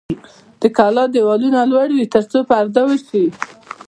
د کلا دیوالونه لوړ وي ترڅو پرده وشي.